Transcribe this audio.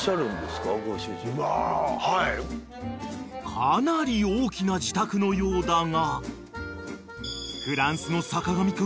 ［かなり大きな自宅のようだが］